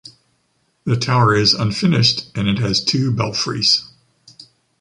The tower is unfinished and it has two belfries.